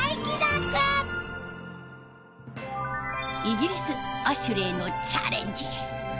イギリスアシュレイのチャレンジ。